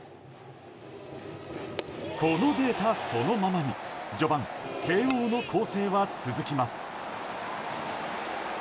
このデータそのままに序盤、慶応の攻勢は続きます。